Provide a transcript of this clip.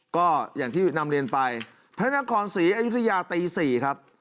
ก็อย่างที่นำเรียนไปพระนครศรีอยุธยาตี๔ครับ